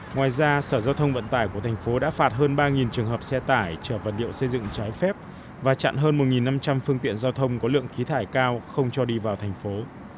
ngoài ra sở giao thông vận tải của thành phố đã phạt hơn ba trường hợp xe tải chở vật liệu xây dựng trái phép và chặn hơn một năm trăm linh phương tiện giao thông có lượng khí thải cao không cho đi vào thành phố